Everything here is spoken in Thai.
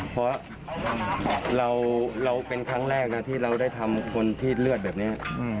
เพราะเราเป็นครั้งแรกนะที่เราได้ทำคนที่เลือดแบบนี้